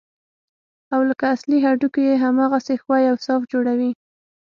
او لکه اصلي هډوکي يې هماغسې ښوى او صاف جوړوي.